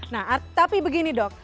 nah tapi begini dok